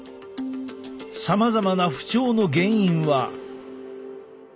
さまざまな不調の原因は。